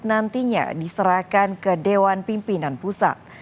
nantinya diserahkan ke dewan pimpinan pusat